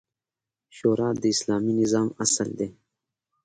شورا د اسلامي نظام اصل دی